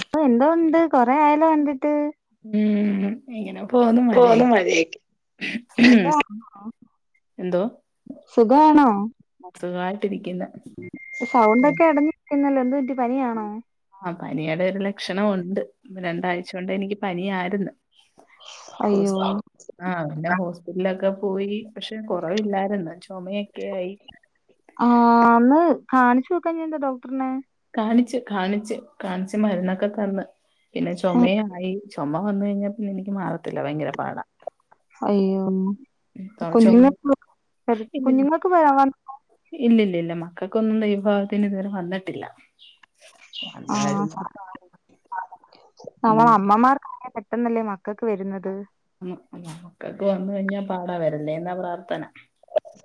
അപ്പൊ എന്തോണ്ട് കൊറെ ആയാലോ കണ്ടിട്ട് ഉം ഇങ്ങനെ പോന്ന് പോന്നു മര്യാദിക്ക് മഴയൊക്കെ എന്തോ സുഖാണോ ആഹ് സുഖാണ് സൗണ്ടൊക്കെ അടഞ്ഞിരിക്കുന്നല്ലോ എന്ത് പറ്റി പനിയാണോ ആഹ് പനിയുടെ ഒരു ലക്ഷണ മുണ്ട് രണ്ടാഴ്ച കൊണ്ട് എനിക്ക് പനി ആയിരുന്ന് അയ്യോ ഹോസ് ആഹ് പിന്നെ ഹോസ്പിറ്റലൊക്കെ പോയി പക്ഷെ കുറവില്ലായിരുന്ന ചുമയൊക്കെ ആയി ആ അന്ന് കാണിച്ചു നോക്കാ ഞാന്താ ഡോക്ടറിനെ കാണിച് കാണിച്ച് കാണിച്ച് മരുന്നൊക്കെ തന്ന് പിന്നെ ചുമയായി ചൊമ വന്ന് കഴിഞ്ഞാ പിന്നെ എനിക്ക് മാറത്തില്ല ഭയങ്കര പാടാ അയ്യോ ഉം, ചുമ കുഞ്ഞുങ്ങൾക്ക് ഇല്ല കുഞ്ഞുങ്ങൾക്ക് വരാവാൻ ഇല്ല ഇല്ല ഇല്ല മക്കൾക്കൊന്നും ദൈവ ഭാഗ്യത്തിന് ഇതുവരെ വന്നിട്ടില്ല വന്നു ആ കഴിഞ്ഞാൽ മാറും ഉം നമ്മള് അമ്മമാർക് പെട്ടെന്നല്ലേ മ മക്കക് വരുന്നത് ഉ നമുക്കൊക്കെ വന്ന കഴിഞ്ഞാ പാടാ വരല്ലേ എന്നാ പ്രാർത്ഥന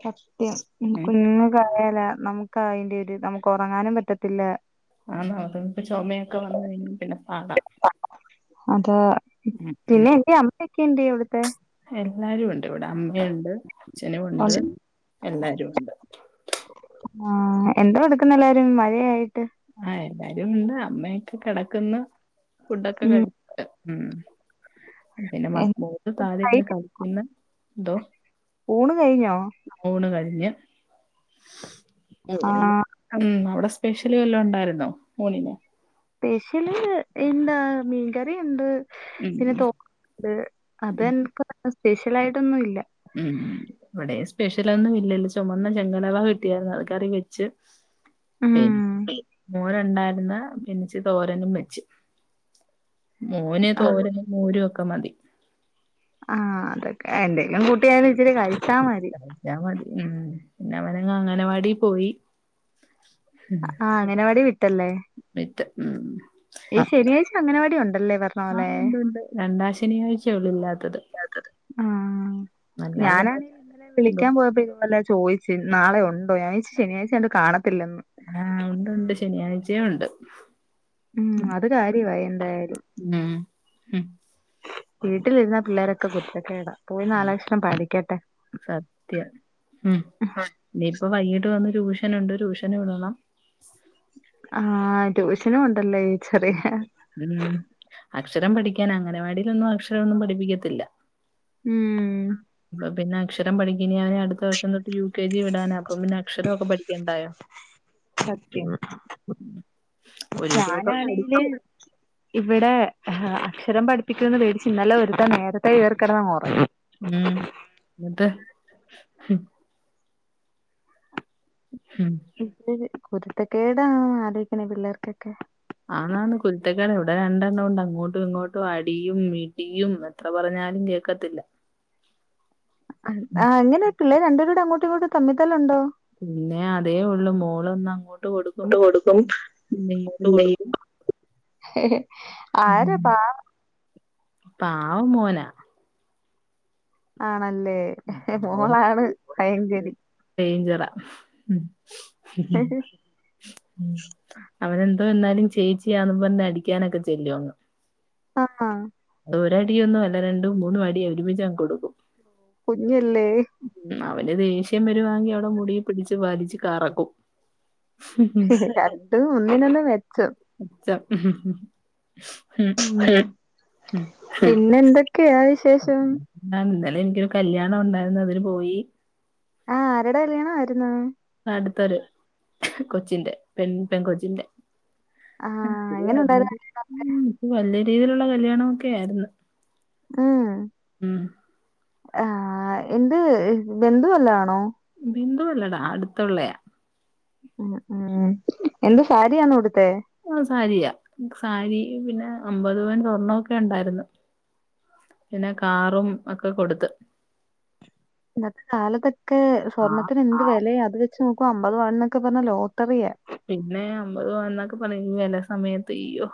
സത്യം ഉം ഇനക്ക്ന്ന് കയല നമുക്ക് അയിന്റെ ഒരു നമുക്ക് ഒറങ്ങാനും പറ്റത്തില്ല ആ അത ഇപ്പൊ ചുമയൊക്കെ വന്ന കഴിഞ്ഞാ പിന്നെ പാടാ അതാ ഉം ഉം പിന്നെന്റെ അമ്മയൊക്കെ ഉണ്ട് ഇവിടത്തെ എല്ലാരും ഉണ്ട് ഇവിടെ അമ്മയുണ്ട് അച്ഛനും ഉണ്ട് എല്ലാരും ഉണ്ട് ആഹ് എന്താ എടുക്കുന്ന എല്ലാരും മയായിട്ട് ആഹ് എല്ലാരും ഉണ്ട് അമ്മയൊക്കെ കിടക്ക്ന്ന് ഫുഡൊക്കെ ഉം കടിച്ചിട്ട് ഉം പിന്നെ മോത് താഴ ഇന്ന് കഴിഞ്ഞ് കളിക്കുന്നന്തോ ഊണ് കഴിഞ്ഞോ ഊണ് കഴിഞ്ഞ് ആ ഊണ്ടി നിപ്പം അവ്ടെ സ്പ്യഷ ല് വെല്ലണ്ടായിരുന്നൊ ഊണിന് സ്പെഷ്യല് എന്താ മീൻകറി ഉണ്ട് ഉം പിന്നെ അത് എക്ക് സ്പെഷ്യലായിട്ടൊന്നുംല്ല ഉം ഇവിടെ സ്പെഷ്യലൊന്നും ഇല്ലല്ല ചുവുമന്ന ചെങ്കലാഭാഗ കിട്ടിയായിരുന്നു അത് കറി വെച്ച് ഉം പി മോനണ്ടായിരുന്ന പിന്നച്ചി തോരനും വെച്ച് മോന് ആ തോരനും മൊരും ഒക്കെ മതി ആഹ് അതൊക്കെ എന്തെങ്കിലും കൂട്ടി ഇച്ചിരി കഴിച്ചാ മതി കഴിച്ചാ മതി ഉം പിന്നെ അവനങ്ങങ് അങ്ങനവാടി പോയി ആ ആ അങ്ങനവാടി വിട്ടല്ലേ ഉം ഈ ശനിയാഴ്ച അങ്ങനവാടി ഉണ്ടല്ലേ വ ആഹ് ഉണ്ട് ഉണ്ട് രണ്ടാ ശനിയാഴ്ചയുള്ളൂ ഇല്ലാത്തത് ആ അല്ലാതെ ഞാനാണ ഇന്നലെ വിളിക്കാൻ പോയപ്പോ ഇന്നലെ ചോദിച്ച നാളെ ഉണ്ടോ ഞാൻ വിചാരിച്ച് ശനിയാഴ്ചത് കാണത്തില്ലെന്ന് ആഹ് ഉണ്ട്ണ്ട് ശനിയാഴ്ചയും ഉണ്ട് ഉം അത് കാര്യവുമായി എന്തായാലും ഉം ഉം വീട്ടിലിരുന്ന പിള്ളേരൊക്കെ കുരുത്തകേടാ പോയി നാലക്ഷരം പഠിക്കട്ടെ സത്യം ഉം ഇനിയിപ്പ വൈകിട്ട് വന്ന് ട്യൂഷനുണ്ട് ട്യൂഷന് വിടണം ആഹ ട്യൂഷനു ഉണ്ടല്ലേ ഈ ചെറിയ ഉം അക്ഷരം പഠിക്കാൻ അങ്ങനവാടിൽ ഒന്നും അക്ഷരം ഒന്നും പഠിപ്പിക്കത്തില്ല ഉം അപ്പൊ പിന്നെ അക്ഷരം പഠിക്ക അവനെടുത്ത അടുത്തവർഷം തൊട്ട് യു കെ ജി വിടാന അപ്പ പിന്നെ അക്ഷരൊക്കെ പഠിക്കണ്ടായോ സത്യം ഒരുതൊക്കെ ഞാനാണെങ്കില് പഠിച്ച് ഇവിടെ ഹെ അക്ഷരം പഠിപ്പിക്കന്ന് പേടിച്ച് ഇന്നലെ ഒരുത്തൻ നേരത്തെ ഏർക്കടുന്നങ്ങി ഉം നിട്ട് ഹ് ഹ് ഹ് മ് ഇത് [unintelligible] കുരുത്തൊക്കെടാ ആലോജിക്കണ ഈ പിള്ളേർക്കൊക്കെ ആന്നന്ന് കുലത്തക്കെട് ഇവിടെ രണ്ടെണ്ണം ഉണ്ട് അങ്ങോട്ടും ഇങ്ങോട്ടും അടിയും ഇടിയും വെ എത്ര പറഞ്ഞാലും കേക്കത്തില്ല ഉം ആ അങ്ങനെയിക്കു പിള്ളേ രണ്ടൂടെ അങ്ങോട്ടും ഇങ്ങോട്ടും തമ്മിത്തലുണ്ടോ പിന്നെ അതേ ഉള്ളു മോളൊന്നും അങ്ങോട്ട് ട്ട് കൊടുക്കും പിന്നെ നിങ്ങോട്ട് കൊടുക്കും ഹെ ഹെ ഉം ആരപ്പാ പാവം മോന ആണല്ലേ ഹെ ഹെ മോളാണ് ഭയങ്കരി ഡെയ്ഞ്ചറ മ് ഹ് ഹ് അവനന്തോ ന്നാലും ചേച്ചിയാ ആണും പറഞ്ഞ് അടിക്കാനൊക്കെ ചെല്ലോങ് ആഹ ഒരടിയൊന്നും അല്ല രണ്ടും മൂന്നും അടി ഒരുമിച്ചങ് കൊടുക്കും കുഞ്ഞല്ലേ ഉ അവന് ദേഷ്യം വരുവാങ്ങി അവിടെ മുടി പിടിച്ച് പാലിച്ച് കറക്കും ഉം. രണ്ടും ഒന്നിനൊന്നു മെച്ചം മെച്ചം ഉ [unintelligible] പിന്നെ എന്തൊക്കെയാ വിശേഷം [unintelligible] ഇന്നലെ എനിക്കൊരു കല്യാണം ഉണ്ടായിരുന്നു അതിന് പോയി ആഹ് ആരുടെ കല്യാണ ആരുന്നു അടുത്തൊര് കൊച്ചിന്റെ പെൺ പെൺ കൊച്ചിന്റെ ആഹ് [unintelligible] എങ്ങനെ ഉണ്ടായിരുന്നു? വല്ലത് വലിയ രീതിയിലുള്ള കല്യാണമൊക്കെ ആയിരുന്നു ഉം ഉം ആ എന്ത് ബന്ധുവല്ല ആണോ ബിന്ദുവുല്ലടാ അടുത്തുള്ളയാ ഉ ഉം എന്താ സാരിയാണ് ഉടുത്തെ ആ സാരിയ സാരി പിന്നെ അമ്പത് പന് സ്വർണ്ണൊക്കെ ഉണ്ടായിരുന്നു പിന്നെ കാറും ഒക്കെ കൊടുത്ത് ഇന്നത്തെ കാലത്തൊക്കെ ആ സ്വർണ്ണത്തിന് എന്ത് വിലയാ അത് ച്നോക്ക അമ്പത് പവൻ ന്നൊക്കെ പറഞ്ഞ ലോട്ടറിയ പിന്നെ അമ്പത് പവൻ ന്നൊക്കെ പറ വില സമയത്ത് ഇയോ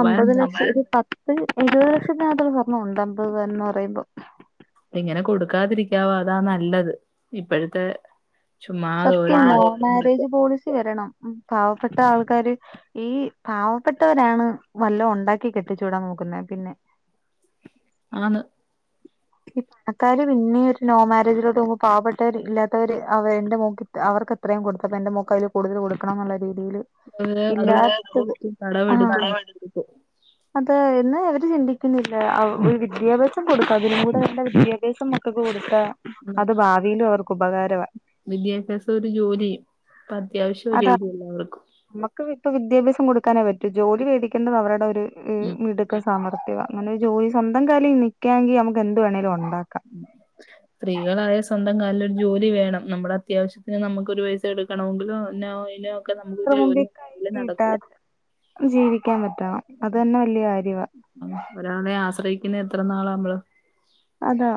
അമ്പത് ലക്ഷം ഒരു പത്ത് ഇരുപത് ലക്ഷത്തിനത്ര സ്വർണം ണ്ട്‌ അമ്പത് പവൻ ന്ന് പറയുമ്പോ ഇങ്ങനെ കൊടുക്കാതിരിക്കാവോ അതാ നല്ലത് ഇപ്പോഴത്തെ ചുമ്മാതെ ഓരോ സത്യ പ്രശ്നം മാരേജ് പോളിസി വരണം പാവപ്പെട്ട ആൾക്കാര് ഈ പാവപ്പെട്ടവരാണ് വല്ല ഉണ്ടാക്കി കെട്ടിച്ചൂടാൻ നോക്കുന്നത് പിന്നെ ആണ് പണക്കാര് പിന്നെ ഒരു നോ മാരേജിലോട്ട് പോകുമ്പോ പാവപ്പെട്ടവര് ഇല്ലാത്തവര് ആവെ ഇന്റെ മോൾക് അവർക്ക് എത്രയും കൊടുത്തപ്പ എന്റെ മോൾക് അയിൽ കൂടുതൽ കൊടുണണം എന്നുള്ള രീതിയിൽ അത് ഇല്ലാ അതും ആഹ കടമെടുത്തു ഒരു കട കൊടുക്കും അത എന്ന് അവര് ചിന്തിക്കുന്നില്ല വിദ്യാഭ്യാസം കൊടുക്കതിന് ടെ നല്ല വിദ്യാഭ്യാസം മക്കക്ക് കൊടുത്ത അത് ഭാവിയില് ഓർക്ക് ഉപ വിദ്യാഭ്യാസ ഒരു ജോലി ഇപ്പൊ അത്യാവശ്യം അതാ ജോലി എല്ലാവർക്കും നമുക്ക് ഇപ്പൊ വിദ്യാഭ്യാസം കൊടുക്കാനേ പറ്റൂ ജോലി വേടിക്കേണ്ടത് അവരുടെ ഒരു ഹ് ഉം മിടു സമർത്ഥ്യവാ അങ്ങനെ ഒരു ജോലി സ്വന്തം കാലിൽ നിൽക്കാെങ്കൽ നമുക്ക് എന്ത് വേണേങ്കിലും ഉണ്ടാക്കാം [inaudible] സ്ത്രീകളായ സ്വന്തം കാലിൽ ഒരു ജോലി വേണം നമ്മുടെ അത്യാവശ്യത്തിന് നമുക്ക്ൊ ഒരു പൈസ എടുക്കണമെങ്കിലും എന്നന്ന [unintelligible] കീട്ടാ ജീവിക്കാൻ പറ്റാാം അത് തന്നെ വലിയ കാര്യമാണ് ഒരാളെ ആശ്രയിക്കുന്ന എത്ര നാളാ നമ്മള് അതാ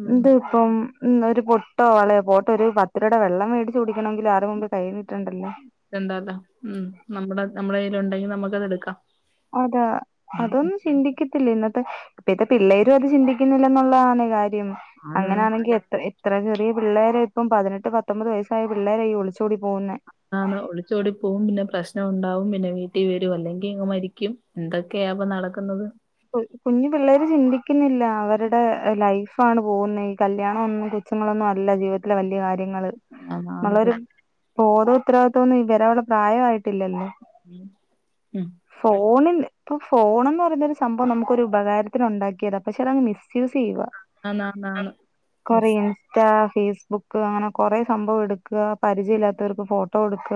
ഉം ഇത് ഇപ്പം ഉ ഒരു പൊട്ടോ വളയോ പോൊട്ട ഒരു പത്തരൂപരട വെള്ളം മേടിച്ച് കുടിക്കണമെങ്കിൽ മു മ്പ് കൈ നീട്ടണ്ടല്ലോ ന്താല്ല ഉ നമ്മുടെ നമ്മുടെ കയ്ല ഉണ്ടെങ്കിൽ നമുക്ക്ത് എടുക്കാം അതാ ഉം അതൊന്ന ചിന്തിക്കത്തില്ല ഇന്നത്തെ ഇപ്പഴത്തെ പിള്ളേരും അത് ചിന്തിക്കുന്നില്ല എന്നുള്ളതാണ് കാര്യം ആണ് അങ്ങനാണെങ്കിൽ എത്ര എത്ര ചെറിയ പിള്ളേരെ ഇപ്പം പതിനെട്ട് പത്തൊമ്പത് വയസ്സായ പിള്ളേര ഈ ഒളിച്ചോടി പോകുന്നേ ആന്ന് ഒളിച്ചോടി പോവും പിന്നെ പ്രശ്നഉണ്ടാവും പിന്നെ വീട്ടിൽ വെരു അല്ലെങ്കിങ് മരിക്കും ന്തൊക്കെയപ്പൊ നടക്കുന്നത് കുഞ്ഞു പിള്ളേര് ചിന്തിക്ക്ന്നില്ല അവരുടെ ലൈഫാണ് പോകുന്നെ ഈ കല്യാണ ഒന്നും ഷ്യങ്ങളൊന്നും അല്ല ജീവിതത്തിലെ വെല്ല്യെ കാര്യങ്ങള് ആന്ന് ആന്ന് നല്ലൊരു സത്യം ബോധോത്തരവാദിത്വൊന്നും വരാള്ള പ്രായായിട്ടില്ലല്ലോ ഉം ഫോണില് പ്പൊ ഫോണെന്ന് പറയ്ന്നൊരു- സംഭവം നമുക്കൊരുപകാരത്തിനുണ്ടാക്കിയത പക്ഷെ അതങ്‌ മിസ്സ്‌യൂസ് ചെയ്യുവ ആന്ന് ആന്ന് ആന്ന് കൊറിയൻസ് ൻസ്റ്റ ഫേസ്ബുക്ക് അങ്ങനെ കൊറേ സംഭവട്ക്ക പരിചയ ഇല്ലാത്തവർക്ക് ഫോട്ടോ കൊടുക്ക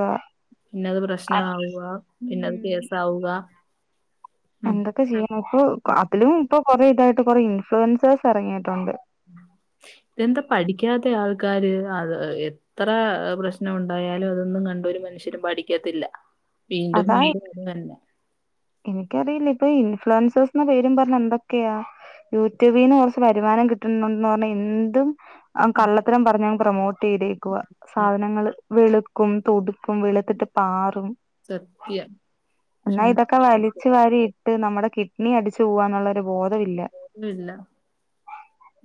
പിന്നത് പ്രശ്ന ആവുവ പിന്നത് ഉം കേസാവുക ഉം പ്പ അതിലും ഇപ്പൊ കൊറേ ഇതായിട്ട് കൊറേ ഇൻഫ്ലുവൻസേഴസ് ഇറങ്ങിട്ടുണ്ട് ഇതെന്താ പഠിക്കാത്തെ ആൾക്കാര് അത് എത്ര പ്രശ്നം ഉണ്ടായാലും അതൊന്നും കണ്ട ഒരു മനുഷ്യരും പഠിക്കത്തില്ല വീണ്ടും അതാ വീണ്ടും അത് തന്നെ എനിക്കറിയില്ല ഇപ്പൊ ഇൻഫ്ലുവൻസെഴ്സ് പേരും പറഞ് എന്തൊക്കെയാ യൂട്യൂബീന്ന് കൊറച്ച് വരുമാനം കിട്ടുന്നുന്ന് പറഞ്ഞാ എന്തും ആ കള്ളത്തരം പറഞ്ഞങ് പ്രൊമോട്ട് ചെയ്തേക്കുവാ ഉം സാധനങ്ങള് വെളുക്കും തുടുക്കും വെളുത്തിട്ട് പാറും സത്യ ചുമ്മ അടിച്ച് വാരിയിട്ട് നമ്മടെ കിഡ്നി അടിച്ചു പോവാ ന്നല്ല ബോധവില്ല ഇല്ല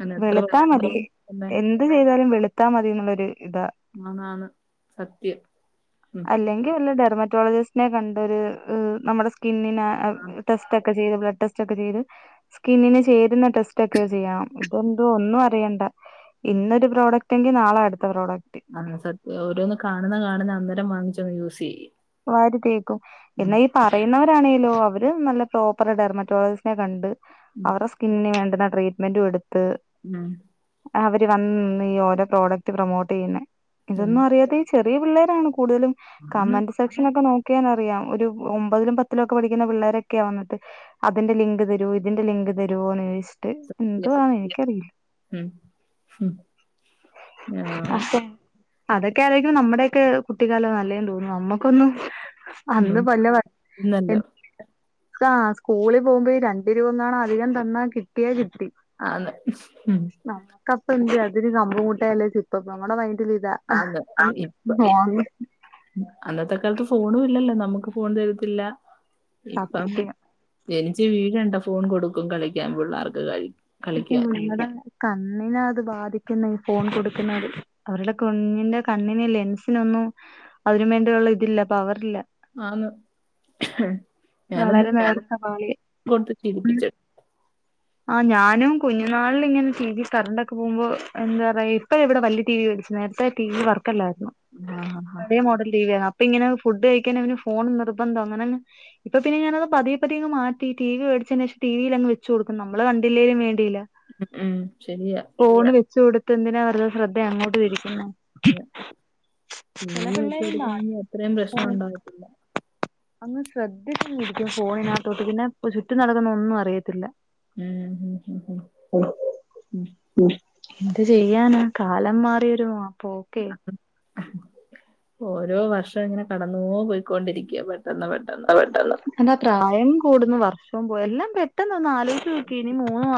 അങ്ങനെ എത്ര വെള്ത്താ മതി ന്ത്‌ പ്രശ്നങ്ങളാണ് തന്നെ എന്ത് ചെയ്താലും വെള്ത്താ മതിന്നുള്ളൊരു ഇതാ ആണാണ് സത്യം ഉം അല്ലെങ്കിവല്ല ഡെർമറ്റോളജിസ് നെ കണ്ട് ഒരു നമ്മുടെ സ്കിന്നിന ആണ് ടെസ്റ്റ് ഒക്കെ ചീത് ബ്ലഡ് ടെസ്റ്റ് ഒക്കെ ചീത് സ്കിന്നിന് ചേര്ന്ന ടെസ്റ്റ് ഒക്കെ ചെയ്യണം ഇതെന്തോ ഒന്നും അറിയണ്ട ഇന്നൊരു പ്രോഡക്റ്റ് എങ്കി നാളെ അടുത്ത പ്രോഡക്റ്റ് ആഹ് സത്യ ഓരോന്ന് കാണുന്ന കാണുന്ന അന്നേരം വാങ്ങിച്ചങ് യൂസ് ചെയ്യ വാരിത്തേക്കും എന്നാ ഈ പറയുന്നവരാണേലോ അവര് നല്ല പ്രോപ്പർ ഡെർമറ്റോളജിസ്റ്റിനെ കണ്ട് അവറെ സ്കിന്നിന് വേണ്ടുന്ന ട്രീറ്റ്മെന്റും എടുത്ത് ഉം അവര് വന്നിന്ന് ഈ ഓരോ പ്രോഡക്ട് പ്രൊമോട്ട് ചെയ്യുന്നെ ഉം ഉം ഇതൊന്നും അറിയാതെ ചെറിയ പിള്ളേരാണ് കൂടുതലും ആണ് കമന്റ് സെക്ഷൻ ഒക്കെ നോക്കിയാൻ അറിയാം ഒരു ഒമ്പതിലും പത്തിലും ഒക്കെ പഠിക്കുന്ന പിള്ളേരൊക്കെയാ വന്നിട്ട് അതിന്റെ ലിങ്ക് തരുവൊ ഇതിന്റെ ലിങ്ക് തരുവൊ ന്ന് ചോയിച്ച ചിട്ട് സത്യം എന്തുവാ എനിക്കറിയില്ല ഉം ഉം ആഹ് അസെ അതൊക്കെ ആലോയ്ക്കുമ്പോ നമ്മുടെ ഒക്കെ കുട്ടിക്കാല നല്ലേെന്ന് തോന്നുന്നു നമ്മക്കൊന്നും അന്ന് ഒന്നും പല്ല വ താ സ്കൂളി പോകുമ്പോ രണ്ട രൂപ ങ്ങാനും അധികം തന്നാ കിട്ടിയാ കിട്ടി ആന്ന് ഉം നമുക്കപ്പോ എന്ത് അതിന് കമ്പ് മുട്ടായി അല്ലെങ്കി സിപ്പപ്പ് നമ്മടെ മൈന്റില് ഇതാ ആന്ന് ആഹ് ഇപ്പ ആഹ് [unintelligible] അന്നത്തെ കാലത്ത് ഫോണും ഇല്ലല്ലോ നമ്മക്ക് ഫോൺ തരത്തില്ല ഇപ്പം സത്യം ജനിച്ച് വീഴണ്ട ഫോൺ കൊടുക്കും കളിക്കാൻ പിള്ളേർക്ക് കഴി കളിക്കാൻ [unintelligible] കണ്ണിനാ അത് ബാധിക്കുന്നെ ഈ ഫോൺ കൊടുക്കുന്നത് അവരുടെ കുഞ്ഞിന്റെ കണ്ണിന് ലെൻസിനൊന്നും അതിന് വേണ്ടിയള്ള ഇതില്ല പവറില്ല ആന്ന് ഞാന എന്ത വളരെ നേർത്ത പാളിയ കൊടുത്ത് ശീലിപ്പിച്ചി ആഹ് ഞാനും കുഞ്ഞുനാളിൽ ഇങ്ങനെ ടി വി കറണ്ട് ഒക്കെ പോകുമ്പോ എന്താ പറയാ ഇപ്പ ഇവിടെ വല്യ ടി വി മേടിച്ച് നേര ത്തേ ടി വി വർക്കല്ലായിരുന്നു ആഹ് ആഹ് ആഹ് പഴേ മോഡൽ ടി വി ആ അപ്പോ ഇങ്ങനെ ഫുഡ് കഴിക്കാൻ അവന് ഫോൺ നിർബന്ധവാ അങ്ങനങ്ങ് ഇപ്പ പിന്നെ ഞാനത് പതിയെ പതിയെ അങ്ങ് മാറ്റി ടി വി മേടിച്ചതിന് ശേഷം ടിവിയിൽ അങ്ങ് വെച്ച് കൊടു ക്കും നമ്മള് കണ്ടില്ലേലും വേണ്ടിയില്ല ഉം ശരിയാ ഫോണ് വെച്ച് കൊടുത്ത് എന്തിനാ വെറുതെ ശ്രദ്ധ അങ്ങോട്ട് തിരിക്കുന്നെ ടീ ചില വി വെച്ച് പിള്ളേരുണ്ട് കൊടുക്കാണെങ്കിൽ അത്രയും പ്രശ്നം ആർക്കാണ് ഉണ്ടാവത്തില്ല അങ്ങ് ശ്രദ്ധിച്ച് അങ്ങിരിക്കും ഫോണിനകത്തോട്ട് പിന്നെ ചുറ്റും നടക്കുന്നതൊന്നും അറിയത്തില്ല ഉം ഉം ഉം എന്ത് ചെയ്യാനാ കാലം മാറിയൊരു പോക്കെ ഓരോ വർഷം ഇങ്ങനെ കടന്നോ പോയിക്കൊണ്ടിരിക്കയാ പെട്ടെന്ന് പെ പെട്ടെന്ന് പെട്ടെന്ന് പ്രായം കൂടുന്നു വർഷം പോയി എല്ലാം പെ പെട്ടെന്നൊന്ന് ആലോചിച്ച് നോക്കിയേ ഇനി മൂന്ന്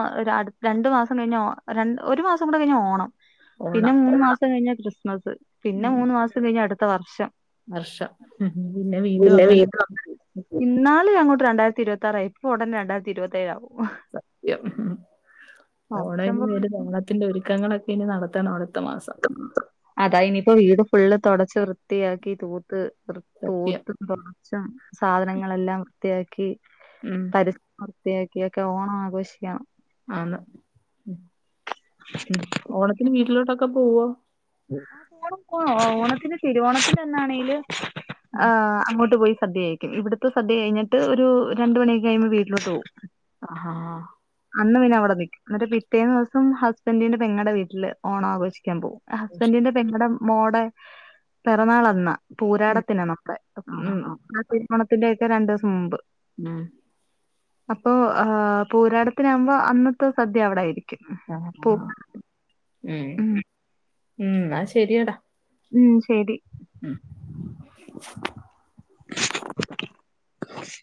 രണ്ട് മാസം കഴിഞ്ഞ ര ഒരു മാസം കൂടെ കഴിഞ്ഞാൽ ഓണം പിന്നെ ഓണം മൂന്ന് മാസം കഴിഞ്ഞാ ക്രിസ്മസ് പിന്നെ ഉം മൂന്ന് മാസം കഴിഞ്ഞാ അടുത്ത വർഷം വർഷം ഉം പിന്നെ വീണ്ടും അങ്ങനെ ഇന്നാള് അങ്ങോട്ട് രണ്ടായിരത്തി ഇരുപത്താറായി ഇപ്പോ ഉടനെ രണ്ടായിരത്തി ഇരുപത്തേഴാവും സത്യം വർഷം ഓണയാന്റെ പോണ പേര് ത്തിന്റെ ഒരുക്കങ്ങളൊക്കെ ഇനി നടത്തണം അടുത്ത മാസം അതാ ഇനിയിപ്പോ വീട് ഫുള്ള് തുടച്ച് വൃത്തിയാക്കി തൂത്ത് വൃ സത്യം തൂത്ത് തൊടച്ചും സാധനങ്ങളെല്ലാം വൃത്തിയാക്കി ഉം പരിസരം വൃത്തിയാക്കി ഒക്കെ ഓണം ആഘോഷിക്കണം ആന്ന് ഉം ഉം ഓണത്തിന് വീട്ടിലോട്ടൊക്കെ പോവോ ആഹ് പോണം പോണം ഓണത്തിന് തിരുവോണത്തിന്റെ അന്നാണേലും ആഹ് അങ്ങോട്ടുപോയി സദ്യ കഴി ഇവിടുത്തെ സദ്യ കഴിഞ്ഞിട്ട് ഒരു രണ്ട് മണിയൊക്കെ കഴിയുമ്പോ വീട്ടിലോട്ട് പോവും ആഹ് അന്ന് പിന്നവിടെ നിക്കും എന്നിട്ട് പിറ്റേ ദിവസം ഹസ്ബൻഡിന്റെ പെങ്ങടെ വീട്ടില് ഓണം ആഘോഷിക്കാൻ പോവും ഹസ്ബന്റിന്റെ പെങ്ങടെ മോടെ പിറന്നാൾ അന്നാ ഉം പൂരാടത്തിനന്നൊക്കെ ആ ഉം ആ തിരുവോണത്തിന്റെ ഒക്കെ രണ്ട് ദിവസം മുമ്പ് ഉം അപ്പൊ പൂരാടത്തിനാവുമ്പോ അന്നത്തെ സദ്യ അവിടാരി ക്കും ആ ആ പോ ഉം ഉം എന്നാ ശെരിയെടാ ഉം ശരി ഉം ഉം